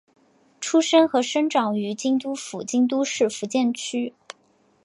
出身和生长于京都府京都市伏见区。